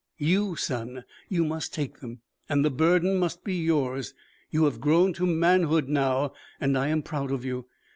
"You, son. You must take them, and the burden must be yours. You have grown to manhood now and I am proud of you.